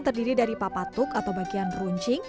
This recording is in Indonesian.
terdiri dari papatuk atau bagian runcing